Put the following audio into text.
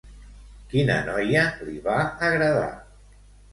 Quina noia li va agradar?